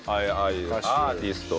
アーティスト。